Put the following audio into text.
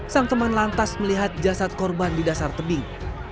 sang teman lantas melihat jasad korban di dasar tebing